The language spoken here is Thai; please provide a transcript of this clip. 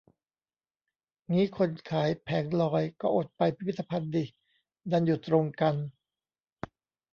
งี้คนขายแผงลอย ก็อดไปพิพิธภัณฑ์ดิ ดันหยุดตรงกัน